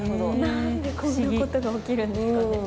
何でこんなことが起きるんですかね。